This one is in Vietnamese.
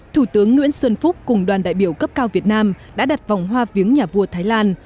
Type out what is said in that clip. thủ tướng nguyễn xuân phúc cùng đoàn đại biểu cấp cao việt nam đã đặt vòng hoa viếng nhà vua thái lan